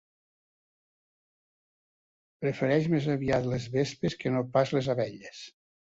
Prefereix, més aviat, les vespes que no pas les abelles.